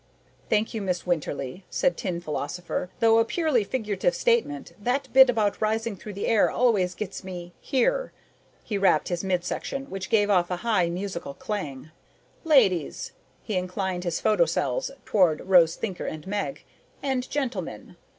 _""Thank you, Miss Winterly," said Tin Philosopher. "Though a purely figurative statement, that bit about rising through the air always gets me here." He rapped his midsection, which gave off a high musical clang. "Ladies " he inclined his photocells toward Rose Thinker and Meg "and gentlemen.